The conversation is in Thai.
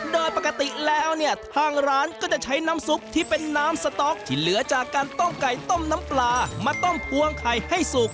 โดยปกติแล้วเนี่ยทางร้านก็จะใช้น้ำซุปที่เป็นน้ำสต๊อกที่เหลือจากการต้มไก่ต้มน้ำปลามาต้มพวงไข่ให้สุก